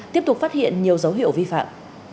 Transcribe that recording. tiếp tục phát hiện nhiều dấu hiệu vi phạm